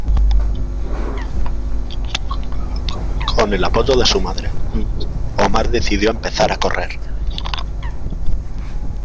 Con el apoyo de su madre, Omar decidió empezar a correr.